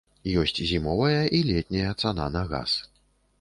Ёсць зімовая і летняя цана на газ.